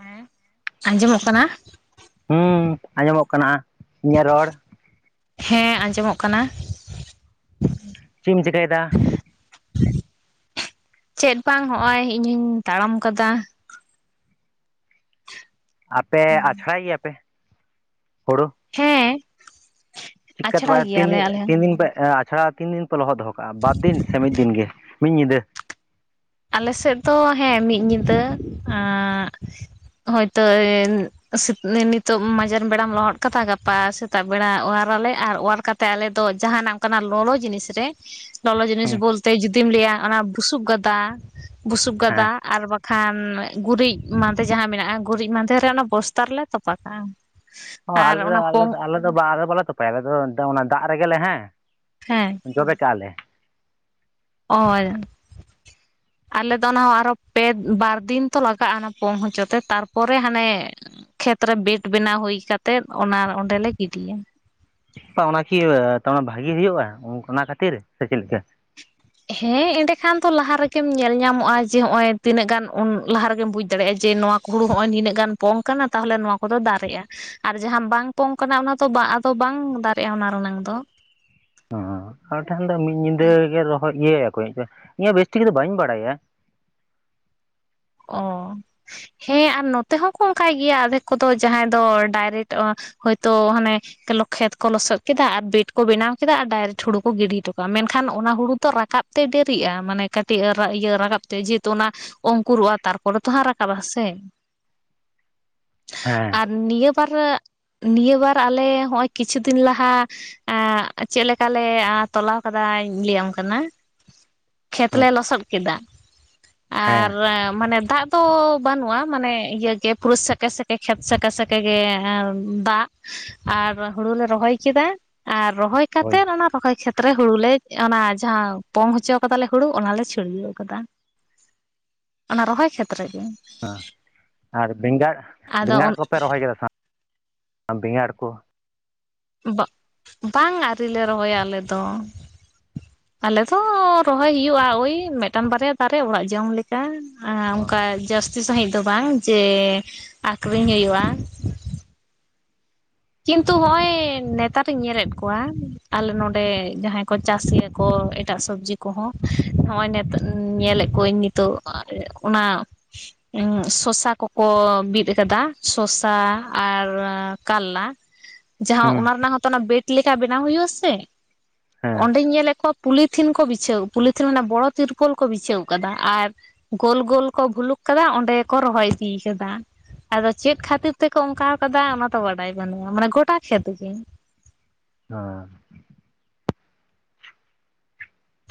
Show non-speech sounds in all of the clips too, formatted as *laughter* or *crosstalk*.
ᱦᱮᱸ ᱟᱸᱡᱚᱢᱚᱜ ᱠᱟᱱᱟ? ᱦᱩᱸ ᱟᱸᱡᱚᱢᱚᱜ ᱠᱟᱱᱟ ᱦᱟᱸᱜ ᱤᱧᱟᱹᱜ ᱨᱚᱲ! ᱦᱮᱸ ᱟᱸᱡᱚᱢᱚᱜ ᱠᱟᱱᱟ᱾ ᱪᱮᱫ ᱮᱢ ᱪᱤᱠᱟᱹᱭ ᱫᱟ? ᱪᱮᱫ ᱵᱟᱝ ᱦᱚᱸᱜᱼᱚᱭ ᱤᱧᱦᱚᱧ ᱛᱟᱲᱟᱢ ᱠᱟᱫᱟ ᱾ ᱟᱯᱮ ᱟᱪᱷᱲᱟᱭ ᱜᱮᱭᱟᱯᱮ ᱦᱩᱲᱩ? ᱦᱮᱸ᱾ ᱟᱪᱷᱲᱟ *unintelligible* ᱜᱮᱭᱟᱞᱮ ᱟᱞᱮ ᱦᱚᱸ ᱛᱤᱱ ᱫᱤᱱ ᱯᱮ ᱟᱪᱷᱲᱟ ᱛᱤᱱ ᱫᱤᱱ ᱯᱮ ᱞᱚᱦᱚᱫ ᱫᱚᱦᱚ ᱠᱟᱜᱼᱟ ᱵᱟᱨ ᱫᱤᱱ ᱥᱮ ᱢᱤᱫ ᱫᱤᱱ ᱜᱮ? ᱢᱤᱫ ᱧᱤᱫᱟᱹ ᱟᱞᱮᱥᱮᱫ ᱫᱚ ᱦᱮᱸ ᱢᱤᱫ ᱧᱤᱫᱟᱹ ᱦᱚᱭᱛᱳ ᱱᱤᱛᱚᱜ ᱢᱟᱡᱟᱱ ᱵᱮᱲᱟᱢ ᱞᱚᱦᱚᱫ ᱠᱟᱫᱟ ᱜᱟᱯᱟ ᱥᱮᱛᱟᱜ ᱵᱮᱲᱟ ᱚᱣᱟᱨᱟᱞᱮ ᱟᱨ ᱚᱣᱟᱨ ᱠᱟᱛᱮ ᱟᱞᱮ ᱫᱚ ᱡᱟᱦᱟᱱᱟᱜ ᱚᱱᱠᱟᱱᱟᱜ ᱞᱚᱞᱚ ᱡᱤᱱᱤᱥ ᱨᱮ ᱞᱚᱞᱚ ᱡᱤᱱᱤᱥ ᱦᱩᱸ ᱵᱚᱞᱛᱮ ᱡᱩᱫᱤᱢ ᱞᱟᱹᱭᱟ ᱚᱱᱟ ᱵᱩᱥᱩᱵ ᱜᱟᱫᱟ ᱵᱩᱥᱩᱵ ᱜᱟᱫᱟ᱾ ᱦᱮᱸ ᱟᱨ ᱵᱟᱠᱷᱟᱱ ᱜᱩᱨᱤᱡ ᱢᱟᱸᱫᱮ ᱡᱟᱦᱟᱸ ᱢᱮᱱᱟᱜᱼᱟ ᱜᱩᱨᱤᱡ ᱢᱟᱸᱫᱮ ᱨᱮ ᱚᱱᱟ ᱵᱚᱥᱛᱟ ᱨᱮᱞᱮ ᱛᱚᱯᱟ ᱠᱟᱜᱼᱟ᱾ ᱚ ᱟᱨ ᱟᱞᱮ ᱫᱚ ᱚᱱᱟ ᱟᱞᱮ ᱯᱚᱝ ᱫᱚ ᱟᱞᱮ ᱫᱚ ᱵᱟᱞᱮ ᱛᱚᱯᱟᱭᱟ ᱟᱞᱮ ᱫᱚ ᱚᱱᱟ ᱫᱟᱜ ᱨᱮᱜᱮ ᱦᱮᱸ *inaudible* ᱡᱚᱵᱮ ᱠᱟᱜ-ᱟᱞᱮ᱾ *inaudible* *inaudible* ᱟᱞᱮ ᱫᱚ ᱚᱱᱟ ᱦᱚᱸ ᱟᱨᱚ ᱯᱮ ᱵᱟᱨ ᱫᱤᱱ ᱛᱚ ᱞᱟᱜᱟᱜᱼᱟ ᱚᱱᱟ ᱯᱚᱝ ᱦᱚᱪᱚ ᱛᱮ ᱛᱟᱨᱯᱚᱨᱮ ᱦᱟᱱᱮ ᱠᱷᱮᱛᱨᱮ ᱵᱮᱰ ᱵᱮᱱᱟᱣ ᱦᱩᱭ ᱠᱟᱛᱮᱫ ᱚᱱᱟ ᱚᱸᱰᱮᱞᱮ ᱜᱤᱰᱤᱭᱟ᱾ ᱚᱱᱟᱠᱤ ᱵᱷᱟᱜᱤ ᱦᱩᱭᱩᱜᱼᱟ ᱚᱱᱟ ᱠᱷᱟᱹᱛᱤᱨ ᱥᱮ ᱪᱮᱫ ᱞᱮᱠᱟ? ᱦᱮᱸ ᱮᱸᱰᱮᱠᱷᱟᱱ ᱫᱚ ᱞᱟᱦᱟ ᱨᱮᱜᱮᱢ ᱧᱮᱞ ᱧᱟᱢᱚᱜᱼᱟ ᱡᱮ ᱱᱚᱜ ᱚᱭ ᱛᱤᱱᱟᱹᱜ ᱜᱟᱱ ᱞᱟᱦᱟ ᱨᱮᱜᱮᱢ ᱵᱩᱡ ᱫᱟᱲᱮᱭᱟᱜᱼᱟ ᱡᱮ ᱱᱚᱣᱟ ᱦᱩᱲᱩ ᱦᱚᱸᱜ-ᱚᱭ ᱱᱤᱱᱟᱹᱜ ᱜᱟᱱ ᱯᱚᱝ ᱠᱟᱱᱟ ᱛᱟᱦᱚᱞᱮ ᱱᱚᱣᱟ ᱠᱚᱫᱚ ᱫᱟᱨᱮᱜᱼᱟ᱾ ᱟᱨ ᱡᱟᱦᱟᱸ ᱵᱟᱝ ᱯᱚᱝ ᱠᱟᱱᱟ ᱚᱱᱟ ᱫᱚ ᱟᱫᱚ ᱵᱟᱝ ᱫᱟᱨᱮᱜᱼᱟ ᱚᱱᱟ ᱨᱮᱱᱟᱝ ᱫᱚ᱾ ᱦᱮᱸ ᱟᱞᱮᱴᱷᱮᱱ ᱫᱚ ᱢᱤᱫ ᱧᱤᱫᱟᱹ ᱜᱮ ᱨᱚᱦᱚᱭ ᱤᱭᱟᱹᱭᱟᱠᱚ ᱤᱧ ᱦᱚᱸ ᱵᱮᱥ ᱴᱷᱤᱠ ᱫᱚ ᱵᱟᱹᱧ ᱵᱟᱲᱟᱭᱟ᱾ ᱚ ᱦᱮᱸ ᱟᱨ ᱱᱚᱛᱮ ᱦᱚᱸᱠᱚ ᱚᱱᱠᱟᱭ ᱜᱮᱭᱟ ᱟᱫᱷᱮᱠ ᱠᱚᱫᱚ ᱡᱟᱦᱟᱸᱭ ᱫᱚ ᱰᱟᱭᱨᱮᱠᱴ ᱦᱚᱭᱛᱚ ᱦᱟᱱᱮ ᱠᱷᱮᱛ ᱠᱚ ᱞᱚᱥᱚᱫ ᱠᱮᱫᱟ ᱟᱨ ᱵᱮᱰ ᱠᱚ ᱵᱮᱱᱟᱣ ᱠᱮᱫᱟ ᱟᱨ ᱰᱟᱭᱨᱮᱠᱴ ᱦᱩᱲᱩ ᱠᱚ ᱜᱤᱰᱤ ᱦᱚᱴᱚ ᱠᱟᱜᱼᱟ᱾ ᱢᱮᱱᱠᱷᱟᱱ ᱚᱱᱟ ᱦᱩᱲᱩ ᱫᱚ ᱨᱟᱠᱟᱵ ᱛᱮ ᱰᱮᱨᱤᱜᱼᱟ ᱢᱟᱱᱮ ᱠᱟᱹᱴᱤᱡ ᱤᱭᱟᱹ ᱨᱟᱠᱟᱵ ᱛᱮ ᱡᱮᱦᱮᱛᱩ ᱚᱱᱟ ᱚᱝᱠᱩᱨᱚᱜᱼᱟ᱾ ᱛᱟᱨᱯᱚᱨᱮ ᱛᱚ ᱦᱟᱸᱜ ᱨᱟᱠᱟᱵ-ᱟ ᱥᱮ᱾ ᱦᱮᱸ ᱟᱨ ᱱᱤᱭᱟᱹ ᱵᱟᱨ ᱱᱤᱭᱟᱹ ᱵᱟᱨ ᱟᱞᱮ ᱦᱚᱜ-ᱟᱭ ᱠᱤᱪᱷᱩ ᱫᱤᱱ ᱞᱟᱦᱟ ᱪᱮᱫ ᱞᱮᱠᱟᱞᱮ ᱛᱚᱞᱟᱣ ᱠᱟᱫᱟᱧ ᱞᱟᱹᱭᱟᱢ ᱠᱟᱱᱟ᱾ ᱠᱷᱮᱛ ᱦᱮᱸ ᱞᱮ ᱞᱚᱥᱚᱫ ᱠᱮᱫᱟ ᱦᱮᱸ ᱟᱨ ᱢᱟᱱᱮ ᱫᱟᱜ ᱫᱚ ᱵᱟᱹᱱᱩᱜᱼᱟ ᱢᱟᱱᱮ ᱤᱭᱟᱹ ᱜᱮ ᱯᱩᱨᱩ ᱥᱮᱠᱮ ᱥᱮᱠᱮ ᱠᱷᱮᱛ ᱥᱮᱠᱮ ᱥᱮᱠᱮ ᱜᱮ ᱫᱟᱜ ᱟᱨ ᱦᱩᱲᱩ ᱞᱮ ᱨᱚᱦᱚᱭ ᱠᱮᱫᱟ ᱟᱨ ᱨᱚᱦᱚᱭ ᱦᱳᱭ ᱠᱟᱛᱮᱫ ᱚᱱᱟ ᱨᱚᱦᱚᱭ ᱠᱷᱮᱛ ᱨᱮ ᱦᱩᱲᱩ ᱞᱮ ᱚᱱᱟ ᱡᱟᱦᱟᱸ ᱯᱚᱝ ᱦᱚᱪᱚ ᱠᱟᱫᱟᱞᱮ ᱦᱩᱲᱩ ᱚᱱᱟᱞᱮ ᱪᱷᱩᱲᱭᱟᱹᱣ ᱠᱟᱫᱟ᱾ ᱚᱱᱟ ᱨᱚᱦᱚᱭ ᱠᱷᱮᱛ ᱨᱮᱜᱮ᱾ ᱟᱨ ᱵᱮᱸᱜᱟᱲ ᱟᱫᱚ ᱵᱮᱸᱜᱟᱲ ᱠᱚᱯᱮ ᱨᱚᱦᱚᱭ ᱠᱮᱫᱟ ᱥᱮ ᱵᱟᱝ ᱵᱮᱸᱜᱟᱲ ᱠᱚ? ᱵᱟᱝ ᱟᱹᱣᱨᱤᱞᱮ ᱨᱚᱦᱚᱭᱟ ᱟᱞᱮ ᱫᱚ᱾ ᱟᱞᱮ ᱫᱚ ᱨᱚᱦᱚᱭ ᱦᱩᱭᱩᱜᱼᱟ ᱳᱭ ᱢᱤᱫᱴᱟᱝ ᱵᱟᱨᱭᱟ ᱫᱟᱨᱮ ᱚᱲᱟᱜ ᱡᱚᱝ ᱞᱮᱠᱟ᱾ ᱠᱟ ᱦᱩᱸ ᱚᱱᱠᱟ ᱡᱟᱹᱥᱛᱤ ᱥᱟᱺᱦᱤᱡ ᱫᱚ ᱵᱟᱝ ᱡᱮ ᱟᱠᱷᱨᱤᱧ ᱦᱩᱭᱩᱜᱼᱟ᱾ ᱠᱤᱱᱛᱩ ᱱᱚᱜᱼᱚᱭ ᱱᱮᱛᱟᱨᱤᱧ ᱧᱮᱞᱮᱫ ᱠᱚᱣᱟ ᱟᱞᱮ ᱱᱚᱰᱮ ᱡᱟᱦᱟᱸᱭ ᱠᱚ ᱪᱟᱹᱥᱤ ᱜᱮᱭᱟ ᱠᱚ ᱮᱴᱟᱜ ᱥᱚᱵᱡᱤ ᱠᱚᱦᱚᱸ ᱱᱚᱜᱼᱚᱭ ᱱᱤᱛ ᱧᱮᱞᱮᱫ ᱠᱚᱣᱟᱹᱧ ᱱᱤᱛᱚᱜ ᱚᱱᱟ ᱥᱚᱥᱟ ᱠᱚᱠᱚ ᱵᱤᱫ ᱟᱠᱟᱫᱟ ᱥᱚᱥᱟ ᱟᱨ ᱠᱟᱨᱞᱟ᱾ ᱡᱟᱦᱟᱸ ᱚᱱᱟ ᱨᱮᱱᱟᱜ ᱦᱚᱸᱛᱚ ᱚᱱᱟ ᱵᱮᱰ ᱞᱮᱠᱟ ᱵᱮᱱᱟᱣ ᱦᱩᱭᱩᱜ-ᱟ ᱥᱮ᱾ ᱦᱮᱸ ᱚᱸᱰᱮᱧ ᱧᱮᱞᱮᱫ ᱠᱚᱣᱟ ᱯᱩᱞᱤᱛᱷᱤᱱ ᱠᱚ ᱵᱤᱪᱷᱟᱹᱣ ᱯᱩᱞᱤᱛᱷᱤᱱ ᱢᱟᱱᱮ ᱵᱚᱲᱚ ᱛᱤᱨᱯᱳᱞ ᱠᱚ ᱵᱤᱪᱷᱟᱹᱣ ᱠᱟᱫᱟ᱾ ᱟᱨ ᱜᱳᱞ ᱜᱳᱞ ᱠᱚ ᱵᱷᱩᱞᱩᱠ ᱠᱟᱫᱟ ᱚᱸᱰᱮ ᱜᱮ ᱠᱚ ᱨᱚᱦᱚᱭ ᱤᱫᱤ ᱠᱟᱫᱟ ᱾ ᱟᱫᱚ ᱪᱮᱫ ᱠᱷᱟᱹᱛᱤᱨ ᱛᱮᱠᱚ ᱚᱝᱠᱟᱣ ᱠᱟᱫᱟ ᱚᱱᱟ ᱫᱚ ᱵᱟᱰᱟᱭ ᱵᱟᱹᱱᱩᱜᱼᱟ, ᱢᱟᱱᱮ ᱜᱚᱴᱟ ᱠᱷᱮᱛ ᱜᱮ ᱦᱳᱸᱭ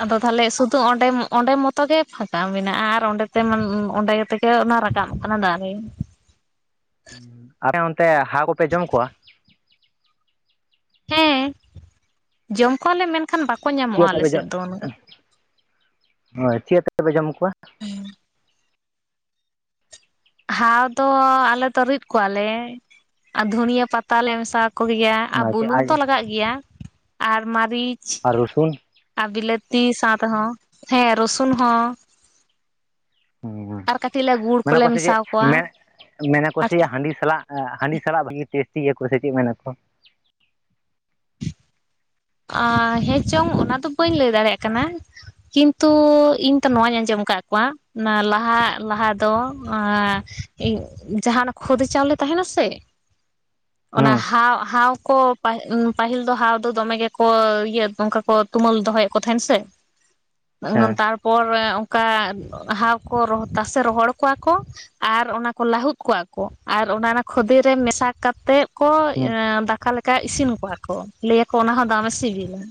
ᱟᱫᱚ ᱛᱟᱦᱚᱞᱮ ᱥᱩᱫᱩ ᱚᱸᱰᱮᱢ ᱚᱸᱰᱮ ᱢᱚᱛ ᱜᱮ ᱯᱷᱟᱸᱠᱟ ᱢᱮᱱᱟᱜᱼᱟ ᱟᱨ ᱚᱸᱰᱮ ᱛᱮ ᱢᱟᱱ ᱚᱸᱰᱮ ᱛᱮᱜᱮ ᱚᱱᱟ ᱨᱟᱠᱟᱵ ᱠᱟᱱᱟ ᱫᱟᱨᱮ ᱾ ᱟᱯᱮ ᱚᱱᱛᱮ ᱦᱟᱣ ᱠᱚᱯᱮ ᱡᱚᱢ ᱠᱚᱣᱟ? ᱦᱮᱸ, ᱡᱚᱢ ᱠᱚᱣᱟᱞᱮ ᱢᱮᱱᱠᱷᱟᱱ ᱵᱟᱠᱚ ᱧᱟᱢᱚᱜᱼᱟ ᱪᱮᱫ ᱟᱛᱮᱯᱮ ᱟᱞᱮᱥᱮᱫ ᱫᱚ ᱚᱱ ᱦᱳᱭ ᱪᱮᱫ ᱠᱟᱛᱮᱯᱮ ᱡᱚᱢ ᱠᱚᱣᱟ? ᱦᱟᱣ ᱫᱚ ᱟᱞᱮ ᱫᱚ ᱨᱤᱫ ᱠᱚᱣᱟᱞᱮ ᱟᱨ ᱫᱷᱩᱱᱤᱭᱟᱹ ᱯᱟᱛᱟᱞᱮ ᱢᱮᱥᱟᱣ ᱟᱠᱚᱜᱮᱭᱟ ᱾ ᱟᱨ ᱵᱩᱞᱩᱝ ᱛᱚ ᱞᱟᱜᱟᱜ ᱜᱮᱭᱟ ᱟᱨ ᱢᱟᱨᱤᱪ, ᱟᱨ ᱨᱚᱥᱩᱱ ᱟᱨ ᱵᱤᱞᱟᱹᱛᱤ ᱥᱟᱶ ᱛᱮᱦᱚᱸ, ᱦᱮᱸ ᱨᱚᱥᱩᱱ ᱦᱚᱸ ᱟᱨ ᱠᱟᱹᱴᱤᱡ ᱞᱮ ᱜᱩᱲ ᱢᱮᱱᱟ ᱠᱚᱞᱮ ᱠᱚ ᱥᱮ ᱢᱮᱥᱟ ᱪᱮᱫ ᱢᱮ ᱢᱮᱱᱟᱠᱚ ᱥᱮ‌ ᱦᱟᱺᱰᱤ ᱥᱟᱞᱟᱜ ᱦᱟᱺᱰᱤ ᱥᱟᱞᱟᱜ ᱵᱷᱟᱜᱮ ᱴᱮᱥᱴᱤ ᱟᱠᱚ ᱥᱮᱪᱮᱜ ᱢᱮᱱᱟᱠᱚ ᱾ ᱟᱻ ᱦᱮᱸ ᱪᱚᱝ ᱚᱱᱟ ᱫᱚ ᱵᱟᱹᱧ ᱞᱟᱹᱭ ᱫᱟᱲᱮᱭᱟᱜ ᱠᱟᱱᱟ ᱾ ᱠᱤᱱᱛᱩ ᱤᱧ ᱛᱚ ᱱᱚᱣᱟᱧ ᱟᱸᱡᱚᱢ ᱟᱠᱟᱫ ᱠᱚᱣᱟ, ᱚᱱᱟ ᱞᱟᱦᱟ ᱞᱟᱦᱟ ᱫᱚ ᱤᱧ ᱡᱟᱦᱟ ᱚᱱᱟ ᱠᱷᱚᱫᱮ ᱪᱟᱣᱞᱮ ᱛᱟᱸᱦᱮᱱᱟ ᱥᱮ, ᱚᱱᱟ ᱦᱩᱸ ᱦᱟᱣ ᱦᱟᱣ ᱠᱚ ᱯᱟᱦᱤ ᱯᱟᱹᱦᱤᱞ ᱫᱚ ᱦᱟᱣ ᱫᱚ ᱫᱚᱢᱮ ᱜᱮ ᱠᱚ ᱤᱭᱟᱹ ᱚᱝᱠᱟ ᱠᱚ ᱛᱩᱢᱟᱹᱞ ᱫᱚᱦᱚᱭᱮᱫ ᱠᱚ ᱛᱟᱸᱦᱮᱱ ᱥᱮ, ᱦᱮᱸ ᱛᱟᱨᱯᱚᱨ ᱚᱝᱠᱟ ᱦᱟᱣ ᱠᱚ ᱨᱚᱦ ᱛᱟᱥᱮ ᱨᱚᱦᱚᱲ ᱠᱚᱣᱟ ᱠᱚ ᱟᱨ ᱚᱱᱟᱠᱚ ᱞᱟᱦᱩᱫ ᱠᱚᱣᱟ ᱠᱚ ᱟᱨ ᱚᱱᱟ ᱚᱱᱟ ᱠᱷᱚᱫᱮ ᱨᱮ ᱢᱮᱥᱟ ᱠᱟᱛᱮᱜ ᱠᱚ ᱦᱩᱸ ᱫᱟᱠᱟ ᱞᱮᱠᱟ ᱤᱥᱤᱱ ᱠᱚᱣᱟ ᱠᱚ ᱞᱟᱹᱭᱟᱠᱚ ᱚᱱᱟ ᱦᱚᱸ ᱫᱟᱢᱮ ᱥᱤᱵᱤᱞᱟ ᱾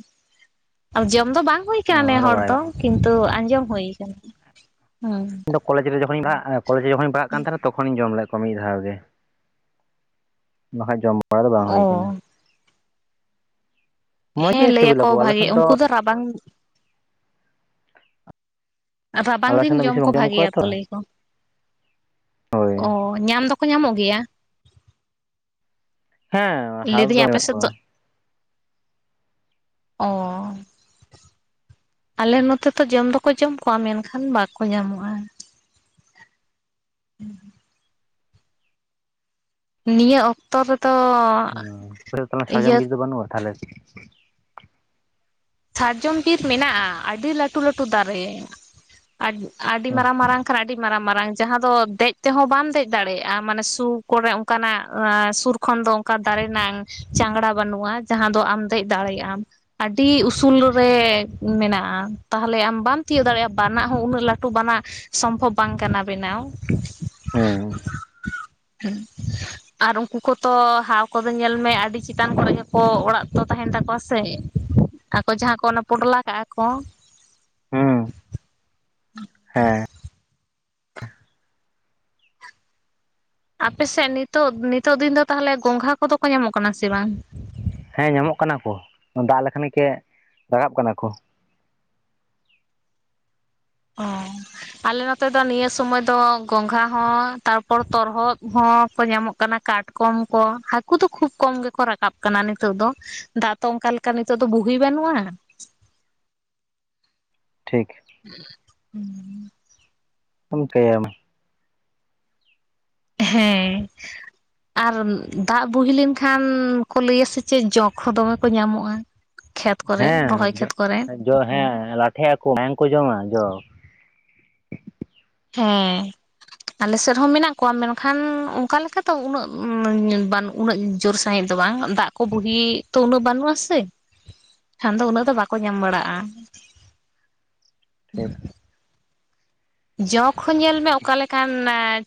ᱟᱨ ᱡᱚᱢ ᱫᱚ ᱵᱟᱝ ᱦᱩᱭ ᱟᱠᱟᱱᱟ ᱱᱮ ᱚᱱᱟ ᱦᱚᱲ ᱵᱟᱲᱟᱭ ᱫᱚ ᱵᱟᱹᱱᱩᱜᱼᱟ ᱠᱤᱱᱛᱩ ᱟᱸᱡᱚᱢ ᱦᱩᱭ ᱟᱠᱟᱱᱟ ᱾ ᱦᱩᱸᱢ ᱤᱧ ᱠᱚᱞᱮᱡᱽ ᱨᱮ ᱡᱚᱠᱷᱚᱱᱤᱧ ᱯᱟᱲᱦᱟᱜ ᱠᱚᱞᱮᱡᱽ ᱨᱮ ᱡᱟᱠᱷᱚᱱᱤᱧ ᱯᱟᱲᱦᱟᱜ ᱠᱟᱱ ᱛᱟᱸᱦᱮᱱᱟ ᱛᱚᱠᱷᱚᱱᱤᱧ ᱡᱚᱢ ᱞᱮᱫ- ᱠᱚ ᱢᱤᱫ ᱫᱷᱟᱣ ᱜᱮ ᱵᱟᱠᱷᱟᱡ ᱡᱚᱢ ᱵᱟᱲᱟ ᱫᱚ ᱵᱟᱝ ᱦᱩᱭ ᱠᱟᱱᱟ ᱚ ᱾ ᱢᱚᱸᱡᱽ ᱦᱮᱸ, ᱜᱮ ᱞᱟᱹᱭ ᱟᱠᱚ ᱥᱤᱵᱤᱞᱟ ᱠᱚ ᱟᱞᱮ ᱵᱷᱟᱜᱮ ᱥᱮᱱ ᱩᱝᱠᱩ ᱫᱚ ᱨᱟᱵᱟᱝ ᱨᱟᱵᱟᱝ ᱟᱞᱮ ᱫᱤᱱ ᱥᱮᱱ ᱫᱚ ᱡᱚᱢ ᱵᱮᱥᱤ ᱠᱚ ᱵᱟᱝ ᱠᱚᱣᱟ ᱵᱷᱟᱜᱮᱭᱟ ᱛᱚ ᱠᱚ ᱞᱟᱹᱭ ᱟᱠᱚ ᱾ ᱦᱳᱭ ᱚ ᱧᱟᱢ ᱫᱚᱠᱚ ᱧᱟᱢᱚᱜ ᱜᱮᱭᱟ ᱾ ᱦᱮᱸ ᱞᱟᱹᱭ ᱦᱟᱣ ᱫᱤᱧ ᱟᱯᱮ ᱢᱮᱱᱟᱜ ᱥᱮᱫ ᱠᱚᱣᱟ ᱫᱚ ᱚ ᱟᱞᱮ ᱱᱚᱛᱮ ᱛᱚ ᱡᱚᱢ ᱫᱚᱠᱚ ᱡᱚᱢ ᱠᱚᱣᱟ ᱢᱮᱱᱠᱷᱟᱱ ᱵᱟᱠᱚ ᱧᱟᱢᱚᱜᱼᱟ ᱾ *inaudible* ᱱᱤᱭᱟᱹ ᱚᱠᱛᱚ ᱨᱮᱫᱚ, ᱚ ᱟᱯᱮᱥᱮᱫ ᱫᱚ ᱥᱟᱡᱚᱢ ᱤᱭᱟᱹ ᱵᱤᱨ ᱫᱚ ᱵᱟᱹᱱᱩᱜᱼᱟ ᱛᱟᱦᱚᱞᱮ? ᱥᱟᱨᱡᱚᱢ ᱵᱤᱨ ᱢᱮᱱᱟᱜᱼᱟ, ᱟᱹᱰᱤ ᱞᱟᱹᱴᱩ ᱞᱟᱹᱴᱩ ᱫᱟᱨᱮ ᱟ ᱟᱰᱤ ᱢᱟᱨᱟᱝ ᱢᱟᱨᱟᱝ, ᱠᱷᱟᱱ ᱟᱹᱰᱤ ᱢᱟᱨᱟᱝ ᱢᱟᱨᱟᱝ ᱡᱟᱦᱟᱸ ᱫᱚ ᱫᱮᱡ ᱛᱮᱦᱚᱸ ᱵᱟᱢ ᱫᱮᱡ ᱫᱟᱲᱮᱭᱟᱜᱼᱟ ᱾ ᱢᱟᱱᱮ ᱥᱩᱨ ᱠᱚᱨᱮ ᱚᱱᱠᱟᱱᱟᱜ ᱥᱩᱨ ᱠᱷᱚᱱ ᱫᱚ ᱚᱱᱠᱟ ᱫᱟᱨᱮ ᱨᱮᱱᱟᱝ ᱪᱟᱝᱲᱟ ᱵᱟᱱᱩᱜ-ᱟ, ᱡᱟᱦᱟᱸ ᱫᱚ ᱟᱢ ᱫᱮᱡ ᱫᱟᱲᱮᱭᱟᱜ ᱟᱢ ᱾ᱟᱹᱰᱤ ᱩᱥ ᱥᱩᱞ ᱨᱮ ᱢᱮᱱᱟᱜᱼᱟ ᱾ ᱛᱟᱦᱚᱞᱮ ᱟᱢ ᱵᱟᱢ ᱛᱤᱭᱳᱜ ᱫᱟᱲᱮᱭᱟᱜᱼᱟ, ᱵᱟᱱᱟᱜ ᱦᱚᱸ ᱩᱱᱟᱹᱜ ᱞᱟᱹᱴᱩ ᱵᱟᱱᱟᱜ ᱥᱚᱢᱵᱷᱚᱵᱽ ᱵᱟᱝ ᱠᱟᱱᱟ ᱵᱮᱱᱟᱣ ᱾ ᱦᱳᱭ *unintelligible* ᱟᱨ ᱩᱝᱠᱩ ᱠᱚᱛᱚ ᱦᱟᱣ ᱠᱚᱫᱚ ᱧᱮᱞ ᱢᱮ ᱟᱹᱰᱤ ᱪᱮᱛᱟᱱ ᱠᱚᱨᱮ ᱜᱮᱠᱚ ᱚᱲᱟᱜ ᱠᱚᱫᱚ ᱛᱟᱸᱦᱮᱱ ᱛᱟᱠᱚᱣᱟ ᱥᱮ ᱾ ᱟᱠᱚ ᱡᱟᱦᱟᱸ ᱠᱚ ᱚᱱᱟ ᱯᱚᱴᱞᱟ ᱠᱟᱜᱼᱟ ᱠᱚ, ᱦᱩᱸ, ᱦᱮᱸ ᱟᱯᱮᱥᱮᱜ ᱱᱤᱛᱚᱜ ᱱᱤᱛᱚᱜ ᱫᱤᱱ ᱫᱚ ᱛᱟᱦᱚᱞᱮ ᱜᱚᱝᱜᱷᱟ ᱠᱚᱫᱚ ᱠᱚ ᱧᱟᱢᱚᱜ ᱠᱟᱱᱟ ᱥᱮ ᱵᱟᱝ? ᱦᱮᱸ, ᱧᱟᱢᱚᱜ ᱠᱟᱱᱟ ᱠᱚ ᱫᱟᱜ ᱞᱮᱠᱷᱟᱱ ᱜᱮ ᱨᱟᱠᱟᱵ ᱠᱟᱱᱟ ᱠᱚ᱾ ᱚ, ᱟᱞᱮ ᱱᱚᱛᱮ ᱫᱚ ᱱᱤᱭᱟᱹ ᱥᱚᱢᱟᱹᱭ ᱫᱚ ᱜᱚᱝᱜᱷᱟ ᱦᱚᱸ, ᱛᱟᱨᱯᱚᱨ ᱛᱚᱨᱦᱚᱫᱽ ᱦᱚᱸ, ᱠᱚ ᱧᱟᱢᱚᱜ ᱠᱟᱱᱟ ᱠᱟᱴ ᱠᱚᱢ ᱠᱚ ᱦᱟᱹᱠᱩ ᱫᱚ ᱠᱷᱩᱵ ᱠᱚᱢ ᱜᱮᱠᱚ ᱨᱟᱠᱟᱵ ᱠᱟᱱᱟ ᱱᱤᱛᱚᱜ ᱫᱚ᱾ ᱫᱟᱜ ᱛᱚ ᱚᱱᱠᱟ ᱞᱮᱠᱟ ᱱᱤᱛᱚᱜ ᱫᱚ ᱵᱩᱦᱤ ᱵᱟᱹᱱᱩᱜᱼᱟ᱾ ᱴᱷᱤᱠ, ᱦᱩᱸ, ᱯᱳᱱ ᱯᱮᱭᱟᱢ, ᱦᱮᱸ, ᱟᱨ ᱫᱟᱜ ᱵᱩᱦᱤ ᱞᱮᱱᱠᱷᱟᱱ ᱠᱚ ᱞᱟᱹᱭᱟ ᱥᱮ ᱪᱮᱫ ᱡᱚᱜ ᱦᱚᱸ ᱫᱚᱢᱮ ᱠᱚ ᱧᱟᱢᱚᱜᱼᱟ? ᱠᱷᱮᱛ ᱠᱚᱨᱮ ᱨᱚᱦᱚᱭ ᱦᱮᱸ ᱠᱷᱮᱛ ᱠᱚᱨᱮ᱾ ᱡᱚ ᱦᱮᱸ, ᱞᱟᱴᱷᱮᱜ ᱟᱠᱚ ᱢᱟᱭᱟᱝ ᱠᱚ ᱡᱚᱢᱟ ᱡᱚᱠ᱾ ᱦᱮᱸ, ᱟᱞᱮ ᱥᱮᱫ ᱦᱚᱸ ᱢᱮᱱᱟᱜ ᱠᱚᱣᱟ ᱢᱮᱱᱠᱷᱟᱱ ᱚᱱᱠᱟᱞᱮᱠᱟ ᱛᱚ ᱩᱱᱟᱹᱜ ᱵᱟᱹᱱᱩᱜ ᱩᱱᱟᱹᱜ ᱡᱳᱨ ᱥᱟᱺᱦᱤᱡ ᱫᱚ ᱵᱟᱝ ᱫᱟᱜ ᱠᱚ ᱵᱩᱦᱤ ᱛᱚ ᱩᱱᱟᱹᱜ ᱵᱟᱹᱱᱩᱜ ᱟᱥᱮ? ᱠᱷᱟᱱ ᱫᱚ ᱩᱱᱟᱹᱜ ᱫᱚ ᱵᱟᱠᱚ ᱧᱟᱢ ᱵᱟᱲᱟᱜᱼᱟ᱾ ᱴᱷᱤᱠ, ᱡᱚᱠ ᱦᱚᱸ ᱧᱮᱞ ᱢᱮ ᱚᱠᱟ ᱞᱮᱠᱟᱱ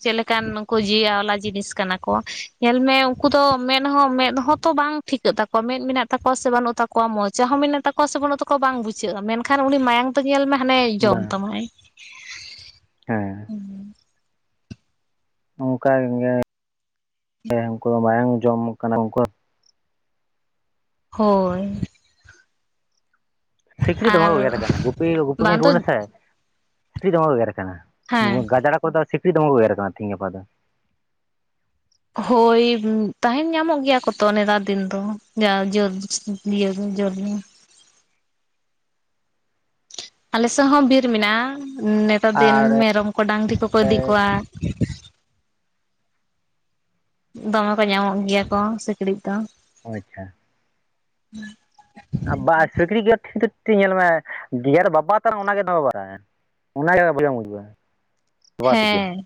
ᱪᱮᱫ ᱞᱮᱠᱟᱱ ᱩᱝᱠᱩ ᱡᱤᱣᱤ ᱟᱣᱞᱟ ᱡᱤᱱᱤᱥ ᱠᱟᱱᱟ ᱠᱚ ᱧᱮᱞ ᱢᱮ ᱩᱱᱠᱩ ᱫᱚ ᱢᱮᱫ ᱦᱚᱸ ᱢᱮᱫ ᱦᱚᱸ ᱛᱚ ᱵᱟᱝ, ᱴᱷᱤᱠᱟᱹᱜ ᱛᱟᱠᱚᱣᱟ ᱢᱮᱫ ᱢᱮᱱᱟᱜ ᱛᱟᱠᱚᱣᱟ ᱥᱮ ᱵᱟᱹᱱᱩᱜ ᱛᱟᱠᱚᱣᱟ ᱢᱚᱪᱟ ᱦᱚᱸ ᱢᱮᱱᱟᱜ ᱛᱟᱠᱚᱣᱟ ᱥᱮ ᱵᱟᱹᱱᱩᱜ ᱛᱟᱠᱚᱣᱟ ᱵᱟᱝ ᱵᱩᱡᱷᱟᱹᱜᱼᱟ ᱢᱮᱱᱠᱷᱟᱱ ᱩᱱᱤ ᱢᱟᱭᱟᱝ ᱛᱚ ᱧᱮᱞ ᱢᱮ ᱦᱟᱱᱮ ᱡᱚᱢ ᱵᱟᱝ ᱛᱟᱢᱟᱟᱭ᱾ ᱦᱮᱸ, ᱚᱝᱠᱟ ᱜᱮ, ᱩᱱᱠᱩ ᱫᱚ ᱢᱟᱭᱟᱝ ᱡᱚᱢ ᱠᱟᱱᱟ ᱩᱝᱠᱩ ᱦᱳᱭ᱾ ᱥᱤᱠᱲᱤᱡ ᱫᱚᱢᱮ ᱟᱨ ᱠᱚ ᱜᱮᱜᱮᱨ ᱠᱟᱱᱟ ᱜᱩᱯᱤ ᱜᱩᱯᱤ ᱵᱟᱝ ᱠᱷᱚᱱᱤᱧ ᱫᱚ ᱨᱩᱣᱟᱹᱲ ᱱᱟᱥᱮ ᱥᱤᱠᱲᱤᱡ ᱫᱚᱢᱮ ᱠᱚ ᱜᱮᱜᱮᱨ ᱠᱟᱱᱟ᱾ ᱦᱮᱸ ᱜᱟᱡᱟᱲ ᱠᱚᱨᱮ ᱫᱚ ᱥᱤᱠᱲᱤᱡ ᱫᱚᱢᱮ ᱠᱚ ᱜᱮᱜᱮᱨ ᱠᱟᱱᱟ ᱛᱤᱦᱤᱧ ᱜᱟᱯᱟ ᱫᱚ᱾ ᱦᱳᱭ ᱛᱟᱦᱮᱱ ᱧᱟᱢᱚᱜ ᱜᱮᱭᱟ ᱠᱚ ᱛᱚ ᱱᱮᱛᱟᱨ ᱫᱤᱱ ᱫᱚ᱾ *unintelligible* ᱟᱞᱮ ᱥᱮᱫ ᱦᱚᱸ ᱵᱤᱨ ᱢᱮᱱᱟᱜᱼᱟ ᱱᱮᱛᱟᱨ ᱫᱤᱱ ᱟᱨ ᱢᱮᱨᱚᱢ ᱠᱚ ᱰᱟᱝᱨᱤ ᱠᱚᱠᱚ ᱤᱫᱤ ᱠᱚᱣᱟ᱾ ᱫᱚᱢᱮ ᱠᱚ ᱧᱟᱢᱚᱜ ᱜᱮᱭᱟ ᱠᱚ ᱥᱤᱠᱲᱤᱡ ᱫᱚ᱾ ᱟᱪᱷᱟ, *unintelligible* ᱵᱟ ᱥᱤᱠᱨᱤᱡ ᱜᱮᱨ ᱴᱷᱤᱠ ᱫᱚ ᱧᱮᱞ ᱢᱮ ᱜᱮᱨ ᱵᱟᱵᱟᱛᱟ ᱚᱱᱟ ᱜᱮ ᱵᱟᱲᱟᱝᱟ᱾ ᱚᱱᱟᱜᱮ, *inaudible* ᱵᱟᱵᱟ ᱛᱟᱹᱠᱤᱱ ᱦᱮᱸ,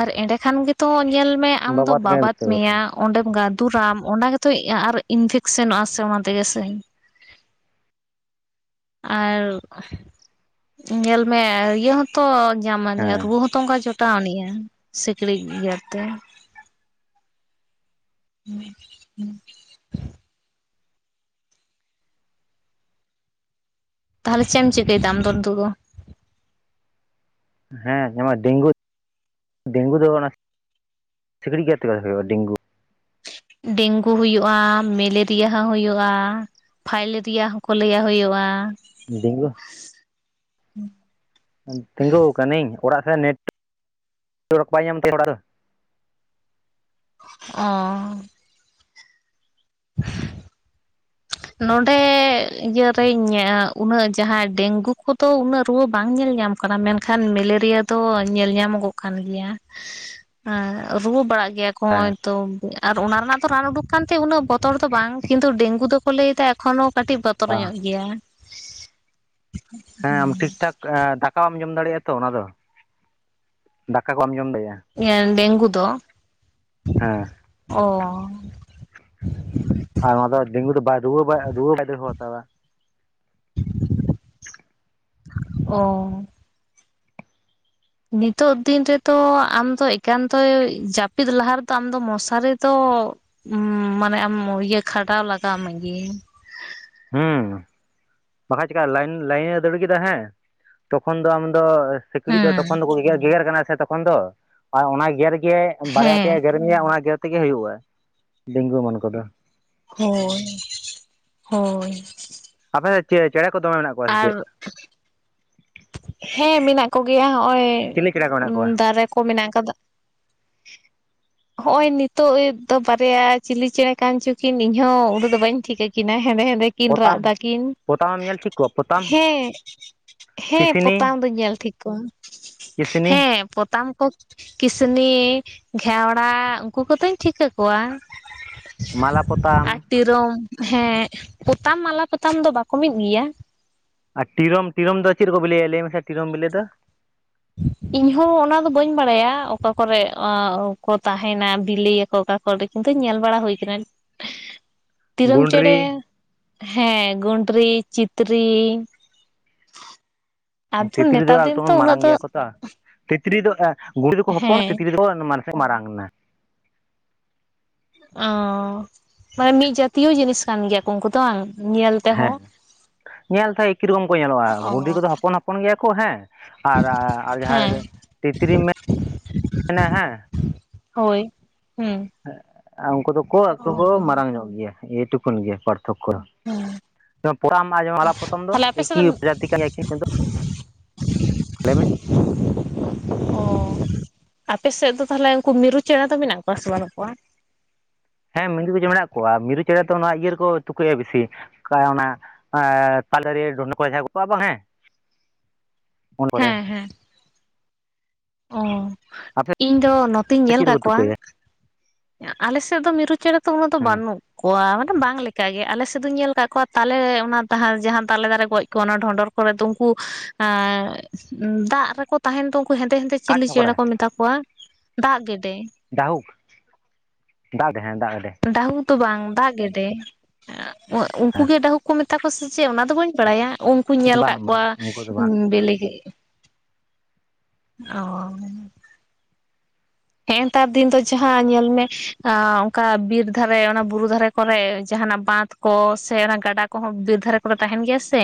ᱟᱨ ᱮᱸᱰᱮ ᱠᱷᱟᱱ ᱜᱮᱛᱚ ᱧᱮᱞ ᱢᱮ ᱟᱢᱫᱚ ᱵᱟᱵᱟ ᱛᱟᱹᱠᱤᱱ ᱵᱟᱵᱟᱛ ᱢᱮᱭᱟ᱾ ᱚᱸᱰᱮᱢ ᱜᱟᱫᱩᱨᱟᱢ ᱚᱱᱟ ᱜᱮᱛᱚ ᱟᱨ ᱤᱱᱯᱷᱮᱠ ᱥᱮᱱᱚᱜᱼᱟ ᱥᱮ ᱚᱱᱟ ᱛᱮᱜᱮ ᱥᱮ᱾ ᱟᱨ ᱧᱮᱞ ᱢᱮ ᱤᱭᱟᱹ ᱦᱚᱸ ᱛᱚ ᱧᱟᱢᱟᱱᱤᱡᱟ ᱦᱮᱸ ᱨᱩᱣᱟᱹ ᱦᱚᱸ ᱛᱚ, ᱛᱚᱸᱜᱟ ᱡᱚᱴᱟᱣᱟᱱᱤᱡᱼᱟ ᱥᱤᱠᱲᱤᱡ ᱜᱮᱨ ᱛᱮ᱾ *unintelligible* ᱛᱟᱦᱟᱞᱮ ᱪᱮᱫ ᱮᱢ ᱪᱤᱠᱟᱹᱭᱫᱟ ᱟᱢ ᱫᱚ ᱱᱤᱛᱳᱜ ᱫᱚ? ᱦᱮᱸ ᱰᱮᱝᱜᱩ ᱰᱮᱝᱜᱩ ᱫᱚ ᱚᱱᱟ ᱥᱤᱠᱲᱤᱡ ᱜᱮᱨ ᱛᱮᱜᱮ ᱦᱩᱭᱩᱜᱼᱟ ᱰᱮᱝᱜᱩ᱾ ᱰᱮᱝᱜᱩ ᱦᱩᱭᱩᱜ-ᱟ ᱢᱮᱞᱮᱨᱤᱭᱟ ᱦᱚᱸ ᱦᱩᱭᱩᱜᱼᱟ᱾ ᱯᱷᱟᱭᱞᱮᱨᱤᱭᱟ ᱦᱚᱸ ᱠᱚ ᱞᱟᱹᱭᱟ ᱦᱩᱭᱩᱜᱼᱟ᱾ ᱰᱮᱝᱜᱩ, ᱛᱤᱸᱜᱩ ᱠᱟᱹᱱᱤᱧ ᱚᱲᱟᱜ ᱥᱮ ᱱᱮᱴ ᱚᱣᱟᱠ ᱵᱟᱭ ᱧᱟᱢ ᱛᱤᱧᱟ *inaudible* ᱚᱸᱻ *inaudible* ᱱᱚᱰᱮ ᱤᱭᱟᱹ ᱨᱮᱧ ᱩᱱᱟᱹᱜ ᱡᱟᱦᱟᱸ ᱰᱮᱝᱜᱩ ᱠᱚ ᱫᱚ ᱩᱱᱟᱹᱜ ᱨᱩᱣᱟᱹ ᱵᱟᱝ ᱧᱮᱞ ᱧᱟᱢ ᱢᱮᱱᱠᱷᱟᱱ ᱢᱮᱞᱮᱨᱤᱭᱟ ᱫᱚ ᱧᱮᱞ ᱧᱟᱢᱚᱜᱚᱜ ᱠᱟᱱ ᱜᱮᱭᱟ ᱾ ᱮᱸᱻ ᱨᱩᱣᱟᱹ ᱵᱟᱲᱟᱜ ᱜᱮᱭᱟ ᱠᱚ ᱦᱚᱸᱜᱼᱚᱭ ᱛᱚ ᱟᱨ ᱚᱱᱟ ᱨᱮᱱᱟᱜ ᱫᱚ ᱨᱟᱱ ᱩᱰᱩᱠ ᱠᱟᱱ ᱛᱮ ᱩᱱᱟᱹᱜ ᱵᱚᱛᱚᱨ ᱫᱚ ᱵᱟᱝ ᱠᱤᱱᱛᱩ ᱰᱮᱝᱜᱩ ᱫᱚ ᱠᱚ ᱞᱟᱹᱭ ᱫᱟ ᱮᱠᱷᱚᱱ ᱦᱚᱸ ᱠᱟᱹᱴᱤᱡ ᱵᱚᱛᱚᱨ ᱵᱟᱝ ᱧᱚᱜ ᱜᱮᱭᱟ ᱾ ᱦᱮᱸ ᱟᱢ ᱴᱷᱤᱠ ᱴᱷᱟᱠ ᱫᱟᱠᱟ ᱵᱟᱢ ᱡᱚᱢ ᱫᱟᱲᱮᱜᱼᱟ ᱛᱚ ᱚᱱᱟ ᱫᱚ ᱫᱟᱠᱟ ᱠᱚ ᱵᱟᱢ ᱡᱚᱢ ᱫᱟᱲᱮᱜᱼᱟ ᱾ ᱰᱮᱝᱜᱩ ᱫᱚ ᱾ ᱦᱮᱸ ᱾ ᱚᱻ ᱟᱨ ᱚᱱᱟ ᱫᱚ ᱰᱮᱝᱜᱩ ᱫᱚ ᱵᱟᱭ ᱨᱩᱣᱟᱹ ᱨᱩᱣᱟᱹ ᱵᱟᱭ ᱫᱟᱹᱲ ᱦᱚᱛᱟ ᱾ ᱚᱻ ᱱᱤᱛᱚᱜ ᱫᱤᱱ ᱨᱮ ᱫᱚ ᱟᱢᱫᱚ ᱮᱠᱟᱱᱛ ᱡᱟᱹᱯᱤᱫ ᱞᱟᱦᱟ ᱨᱮ ᱫᱚ ᱟᱢᱫᱚ ᱢᱚᱥᱟᱨᱤ ᱫᱚ ᱩ ᱢᱟᱱᱮ ᱟᱢ ᱤᱭᱟᱹ ᱠᱷᱟᱰᱟᱣ ᱞᱟᱜᱟᱣ ᱢᱮᱜᱮ ᱾ ᱵᱟᱠᱷᱟ ᱪᱤᱠᱠᱟ ᱞᱟᱭᱤᱱ ᱞᱟᱭᱤᱱ ᱮ ᱫᱟᱹᱲ ᱠᱮᱫᱟ ᱦᱮᱸ ᱛᱚᱠᱷᱚᱱ ᱫᱚ ᱟᱢ ᱫᱚ ᱥᱤᱠᱲᱤᱡ ᱫᱚ ᱦᱮᱸ ᱛᱚᱠᱷᱚᱱ ᱫᱚᱠᱚ ᱜᱮᱜᱮ--ᱜᱮᱜᱮᱨ ᱠᱟᱱᱟ ᱥᱮ ᱛᱚᱠᱷᱚᱱ ᱫᱚ ᱟᱨ ᱚᱱᱟ ᱜᱮᱨ ᱜᱮ ᱵᱟᱨᱭᱟ ᱦᱮᱸ ᱯᱮᱭᱟ ᱜᱮᱨ ᱜᱮᱨ ᱢᱮᱭᱟ ᱚᱱᱟ ᱜᱮᱨ ᱛᱮᱜᱮ ᱦᱩᱭᱩᱜᱼᱟ ᱰᱮᱝᱜᱩ ᱮᱢᱟᱱ ᱠᱚᱫᱚ ᱾ ᱦᱳᱭᱻ ᱦᱳᱭᱻ ᱟᱯᱮ ᱫᱚ ᱪᱮ ᱪᱮᱸᱬᱮ ᱠᱚ ᱫᱚᱢᱮ ᱢᱮᱱᱟᱜ ᱠᱚᱣᱟ? ᱥᱮ ᱟᱨ ᱪᱮᱫ ᱦᱮᱸ ᱢᱮᱱᱟᱜ ᱠᱚᱜᱮᱭᱟ ᱦᱚᱜᱼᱚᱭ ᱪᱤᱞᱤ ᱪᱮᱬᱮ ᱠᱚ ᱢᱮᱱᱟᱜ ᱠᱚᱣᱟ? ᱫᱟᱨᱮ ᱠᱚ ᱢᱮᱱᱟᱜ ᱟᱠᱟᱫᱟ ᱾ *inaudible* ᱦᱚᱜᱼᱚᱭ ᱱᱤᱛᱚᱜ ᱫᱚ ᱵᱟᱨᱭᱟ ᱪᱤᱞᱤ ᱪᱮᱸᱬᱮ ᱠᱟᱱ ᱪᱚᱠᱤᱱ ᱤᱧᱦᱚᱸ ᱩᱱᱟᱹᱜ ᱫᱚ ᱵᱟᱹᱧ ᱴᱷᱤᱠᱟᱹ ᱠᱤᱱᱟ ᱦᱮᱸᱫᱮ ᱦᱮᱸᱫᱮ ᱠᱤᱱ ᱨᱟᱜ ᱯᱚᱛᱟᱢ ᱫᱟᱠᱤᱱ ᱯᱚᱛᱟᱢᱮᱢ ᱧᱮᱞ ᱴᱷᱤᱠ ᱠᱚᱣᱟ ᱯᱚᱛᱟᱢ ᱦᱮᱸ᱾ ᱦᱮᱸ ᱠᱤᱥᱱᱤ ᱯᱚᱛᱟᱢ ᱫᱚᱧ ᱧᱮᱞ ᱴᱷᱤᱠ ᱠᱚᱣᱟ ᱠᱤᱥᱱᱤ ᱦᱮᱸ ᱯᱚᱛᱟᱢ ᱠᱚ ᱠᱤᱥᱱᱤ ᱜᱷᱮᱣᱲᱟ ᱩᱱᱠᱩ ᱠᱚᱫᱚᱧ ᱴᱷᱤᱠᱟᱹ ᱠᱚᱣᱟ ᱾ ᱢᱟᱞᱟ ᱯᱚᱛᱟᱢ ᱮᱠᱫᱚᱢ ᱦᱮᱸ ᱯᱚᱛᱟᱢ ᱢᱟᱞᱟ ᱯᱚᱛᱟᱢ ᱫᱚ ᱵᱟᱠᱚ ᱢᱤᱫ ᱜᱮᱭᱟ? ᱟᱨ ᱴᱤᱨᱚᱢ ᱴᱤᱨᱚᱢ ᱫᱚ ᱪᱮᱫ ᱨᱮ ᱠᱚ ᱵᱮᱞᱮᱭᱟ ᱞᱟᱹᱭ ᱢᱮᱥᱮ ᱴᱤᱨᱚᱢ ᱵᱤᱞᱤ ᱫᱚ? ᱤᱧᱦᱚᱸ ᱚᱱᱟ ᱫᱚ ᱵᱟᱹᱧ ᱵᱟᱲᱟᱭᱟ ᱚᱠᱟ ᱠᱚᱨᱮ ᱟᱻ ᱠᱚ ᱛᱟᱦᱮᱱᱟ ᱵᱤᱞᱤᱭᱟᱠᱚ ᱚᱠᱟ *unintelligible* ᱠᱤᱱᱛᱩ ᱧᱮᱞ ᱵᱟᱲᱟ ᱦᱩᱭ ᱟᱠᱟᱱᱟ ᱾ *inaudible* ᱛᱤᱨᱚᱢ ᱪᱮᱸᱬᱮ ᱜᱩᱸᱰᱨᱤ ᱦᱮᱸ ᱜᱩᱱᱰᱨᱤ ᱪᱤᱛᱨᱤ ᱟᱫᱚ ᱛᱤᱛᱨᱤ ᱫᱚ ᱱᱮᱛᱟᱨ ᱫᱤᱱ ᱛᱚ ᱮᱠᱴᱩᱠᱩᱱ ᱩᱱᱟᱹᱜ ᱢᱟᱨᱟᱝ ᱫᱚ ᱜᱮᱭᱟ ᱠᱚ ᱛᱚ ᱛᱤᱛᱨᱤ ᱫᱚ ᱜᱷᱩᱲᱩ ᱫᱚᱠᱚ ᱦᱚᱯᱚᱱ ᱦᱮᱸ ᱛᱤᱛᱨᱤ ᱫᱚᱠᱚ ᱢᱟᱱᱮᱫ ᱢᱟᱨᱟᱝ ᱮᱱᱟ ᱚᱻ ᱢᱟᱱᱮ ᱢᱤᱫ ᱡᱟᱛᱤᱭᱚ ᱡᱤᱱᱤᱥ ᱠᱟᱱ ᱜᱮᱭᱟ ᱠᱚ ᱩᱱᱠᱩ ᱫᱚ ᱵᱟᱝ? ᱧᱮᱞ ᱛᱮᱦᱚᱸ ᱦᱮᱸ ᱧᱮᱞ ᱛᱮᱦᱮᱸ ᱮᱠᱤ ᱨᱚᱠᱚᱢ ᱠᱚ ᱧᱮᱞᱚᱜᱼᱟ ᱚ ᱜᱩᱰᱷᱤ ᱠᱚᱫᱚ ᱦᱚᱯᱚᱱ ᱦᱚᱯᱚᱱ ᱦᱚᱯᱚᱱ ᱜᱮᱭᱟ ᱠᱚ ᱦᱮᱸ ᱟᱨ ᱟᱨ ᱦᱮᱸ ᱡᱟᱦᱟᱸᱭ ᱛᱤᱛᱨᱤ ᱢᱮ ᱢᱮᱱᱟ ᱦᱮᱸ ᱦᱳᱭ ᱦᱩᱸ ᱾ ᱩᱱᱠᱩ ᱫᱚᱠᱚ ᱮᱴᱩ ᱠᱚ ᱢᱟᱨᱟᱝ ᱧᱚᱜ ᱜᱮᱭᱟ ᱱᱤᱭᱟ ᱴᱩᱠᱩᱱ ᱜᱮ ᱯᱟᱨᱛᱷᱚᱠᱠᱚ ᱫᱚ᱾ ᱦᱮᱸ ᱡᱮᱢᱚᱱ ᱯᱚᱛᱟᱢ ᱟᱨ ᱢᱟᱞᱟᱯᱚᱛᱟᱢ ᱫᱚ ᱛᱟᱦᱞᱮ ᱟᱯᱮ ᱥᱮᱫ ᱫᱚ ᱮᱠᱤᱡᱟᱛᱤ ᱠᱟᱱ ᱜᱮᱭᱟ ᱠᱤᱱ ᱞᱟᱹᱭ ᱢᱮ ᱾ ᱚ ᱟᱯᱮ ᱥᱮᱫ ᱫᱚ ᱛᱟᱦᱚᱞᱮ ᱩᱱᱠᱩ ᱢᱤᱨᱩ ᱪᱮᱬᱮ ᱫᱚ ᱢᱮᱱᱟᱜ ᱠᱚᱣᱟ ᱥᱮ ᱵᱟᱹᱱᱩᱜ ᱠᱚᱣᱟ? ᱦᱮᱸ ᱢᱤᱨᱩ ᱪᱮᱬᱮ ᱢᱮᱱᱟᱜ ᱠᱚᱣᱟ, ᱢᱤᱨᱩ ᱪᱮᱬᱮ ᱫᱚ ᱱᱚᱣᱟ ᱤᱭᱟᱹ ᱨᱮᱠᱚ ᱛᱩᱠᱟᱹᱭᱟ ᱵᱤᱥᱤ ᱚᱱᱠᱟ ᱚᱱᱟ ᱛᱟᱞᱮ ᱰᱟᱹᱲᱭᱟ ᱠᱚ *inaudible* ᱠᱚᱜᱼᱟ ᱵᱟᱝ ᱦᱮᱸ᱾ ᱚᱱᱟ ᱠᱚᱨᱮ᱾ ᱦᱮᱸ ᱦᱮᱸ ᱚ, ᱟᱯᱮ ᱤᱧ ᱫᱚ ᱱᱚᱛᱮᱧ ᱧᱮᱞ ᱪᱮᱫ ᱨᱮᱠᱚ ᱠᱟᱜ ᱠᱚᱣᱟ ᱛᱩᱠᱟᱹᱭᱟ ᱟᱞᱮ ᱥᱮᱫ ᱫᱚ ᱢᱤᱨᱩ ᱪᱮᱬᱮ ᱫᱚ ᱩᱱᱟᱹᱜ ᱫᱚ ᱦᱮᱸ ᱵᱟᱹᱱᱩᱜ ᱠᱚᱣᱟ, ᱢᱟᱱᱮ ᱵᱟᱝ ᱞᱮᱠ ᱠᱟᱜᱮ ᱟᱞᱮ ᱥᱮᱫ ᱫᱚᱧ ᱧᱮᱞ ᱠᱟᱜ ᱠᱚᱣᱟ ᱛᱟᱞᱮ ᱡᱟᱦᱟᱸ ᱛᱟᱞᱮ ᱫᱟᱨᱮ ᱜᱚᱡ ᱠᱚᱣᱟ ᱚᱱᱟ ᱰᱚᱸᱰᱚᱨ ᱠᱚᱨᱮ ᱫᱚ ᱩᱱᱠᱩ ᱟᱸ ᱫᱟᱜ ᱨᱮᱠᱚ ᱛᱟᱦᱮᱱ ᱫᱚ ᱩᱱᱠᱩ ᱦᱮᱸᱫᱮ ᱦᱮᱸᱫᱮ ᱠᱟᱴ ᱪᱤᱞᱤ ᱪᱮᱬᱮ ᱴᱷᱚᱠᱨᱟ ᱠᱚ ᱢᱮᱛᱟ ᱠᱚᱣᱟ? ᱫᱟᱜ ᱜᱮᱰᱮ᱾ ᱫᱟᱦᱩᱠ ᱫᱟᱜ ᱦᱮᱸ ᱫᱟᱜ ᱜᱮᱰᱮ᱾ ᱰᱟᱹᱦᱩᱠ ᱫᱚ ᱵᱟᱝ ᱫᱟᱜ ᱜᱮᱰᱮ, ᱩᱱᱠᱩ ᱦᱮᱸ ᱜᱮ ᱰᱟᱹᱦᱩᱠ ᱠᱚ ᱢᱮᱛ ᱛᱟᱠᱚ ᱥᱮ ᱪᱮᱫ ᱚᱱᱟ ᱫᱚ ᱵᱟᱹᱧ ᱵᱟᱲᱟᱭᱟ, ᱩᱱᱠᱩᱧ ᱧᱮᱞ ᱵᱟᱝ ᱟᱠᱟᱫ ᱵᱟᱝ ᱠᱚᱣᱟ ᱩᱱᱠᱩ ᱫᱚ ᱵᱟᱝ ᱵᱤᱞᱮ ᱚ᱾ ᱦᱮᱸ ᱱᱮᱛᱟᱨ ᱫᱤᱱ ᱫᱚ ᱡᱟᱦᱟᱸ ᱧᱮᱞ ᱢᱮ ᱚᱱᱠᱟ ᱵᱤᱨ ᱫᱷᱟᱨᱮ ᱚᱱᱟ ᱵᱩᱨᱩ ᱫᱷᱟᱨᱮ ᱠᱚᱨᱮ ᱡᱟᱦᱟᱸᱱᱟᱜ ᱵᱟᱸᱛ ᱠᱚ ᱥᱮ ᱚᱱᱟ ᱜᱟᱰᱟ ᱠᱚᱦᱚᱸ ᱵᱤᱨ ᱫᱷᱟᱨᱮ ᱠᱚ ᱨᱮ ᱛᱟᱦᱮᱱ ᱜᱮᱭᱟ ᱥᱮ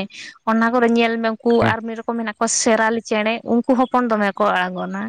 ᱚᱱᱟ ᱠᱚᱨᱮ ᱧᱮᱞ ᱢᱮ ᱩᱱᱠᱩ ᱟᱨ ᱢᱤᱫ ᱨᱚᱠᱚᱢ ᱢᱮᱱᱟᱜ ᱠᱚᱣᱟ, ᱥᱮᱨᱟᱞᱤ ᱪᱮᱬᱮ ᱩᱱᱠᱩ ᱦᱚᱯᱚᱱ ᱫᱚᱢᱮ ᱠᱚ ᱟᱬᱜᱚᱱᱟ᱾